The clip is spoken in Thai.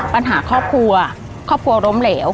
ปัญหาครอบครัวครอบครัวล้มเหลว